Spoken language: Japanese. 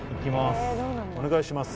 お願いします。